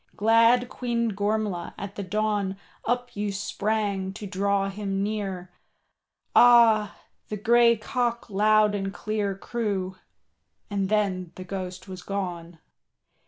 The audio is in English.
Glad Queen Gormlaith, at the dawn Up you sprang to draw him near, Ah! the grey cock loud and clear Crew, and then the Ghost was gone.